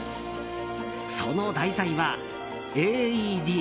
その題材は、ＡＥＤ。